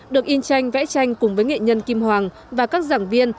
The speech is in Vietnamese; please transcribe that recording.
được in tranh vẽ tranh cùng với nghệ nhân kim hoàng và các giảng viên